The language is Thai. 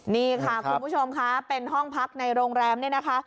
นี่ค่ะคุณผู้ชมค่ะเป็นห้องพักในโรงแรมเนี่ยนะคะ